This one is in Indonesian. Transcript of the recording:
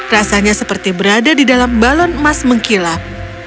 rasanya seperti berada di dalam balon emas mengkilap